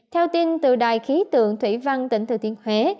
theo tin từ đài khí tượng thủy văn tỉnh thừa thiên huế